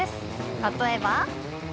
例えば。